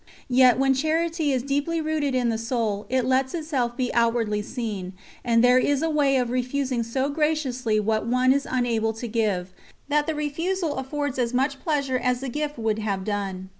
Yet when charity is deeply rooted in the soul it lets itself be outwardly seen, and there is a way of refusing so graciously what one is unable to give, that the refusal affords as much pleasure as the gift would have done.